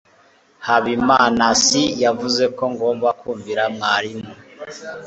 habimanaasi yavuze ko ngomba kumvira mwarimu